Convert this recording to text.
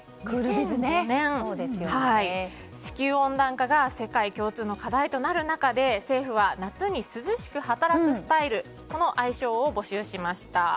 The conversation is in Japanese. ２００５年、地球温暖化が世界共通の課題となる中で政府は夏に涼しく働くスタイルこの愛称を募集しました。